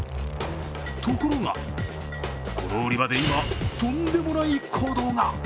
ところが、この売り場で今とんでもない行動が。